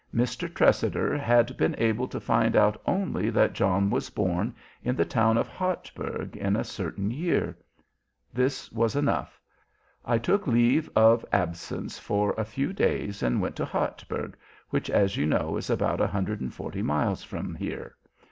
Mr. Tressider had been able to find out only that John was born in the town of Hartberg in a certain year. This was enough. I took leave of absence for a few days and went to Hartberg, which, as you know, is about 140 miles from here.